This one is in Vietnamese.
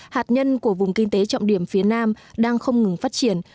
hạt nhân của vùng kinh tế trọng điểm phía nam đang không ngừng phát triển